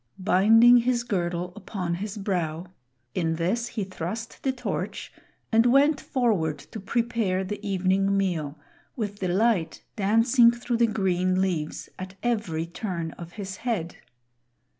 Binding his girdle upon his brow, in this he thrust the torch and went forward to prepare the evening meal with the light dancing through the green leaves at every turn of his head.